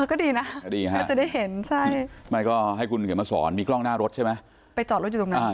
ก็ดีนะน่าจะได้เห็นใช่ไม่ก็ให้คุณเขียนมาสอนมีกล้องหน้ารถใช่ไหมไปจอดรถอยู่ตรงนั้น